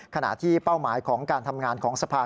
ขณะที่เป้าหมายของการทำงานของสภา